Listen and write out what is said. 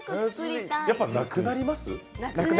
やっぱりなくなります？